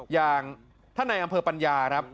อย่างท่านในอำเภอปัญญาครับ